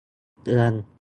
เตือน !